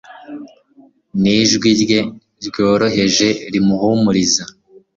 nijwi rye ryoroheje rihumuriza